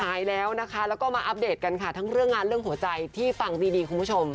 หายแล้วนะคะแล้วก็มาอัปเดตกันค่ะทั้งเรื่องงานเรื่องหัวใจที่ฟังดีคุณผู้ชม